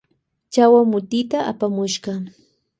Apamushka chawa moteta.